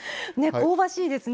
香ばしいですね